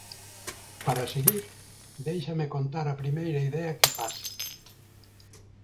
Para seguir, déixame contar a primeira idea que pase....